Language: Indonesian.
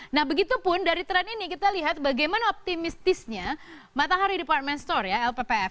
nah begitu pun dari tren ini kita lihat bagaimana optimistisnya matahari department store ya lppf